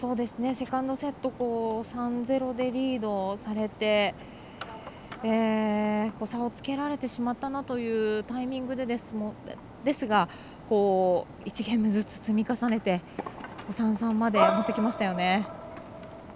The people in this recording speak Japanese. セカンドセット３−０でリードされて差をつけられてしまったというタイミングですが１ゲームずつ積み重ねて３−３まで持ってきましたよね。